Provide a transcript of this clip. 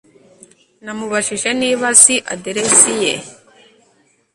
Namubajije niba azi aderesi ye